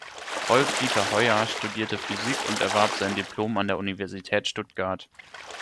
Rolf-Dieter Heuer studierte Physik und erwarb sein Diplom an der Universität Stuttgart.